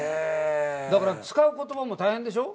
だから使う言葉も大変でしょ？